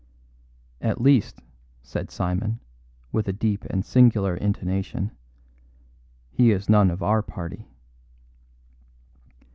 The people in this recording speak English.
"At least," said Simon, with a deep and singular intonation, "he is none of our party."